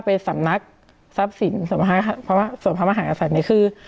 เป็นสำนักทรัพย์สินสมภาคศาสตร์เนี่ยคือ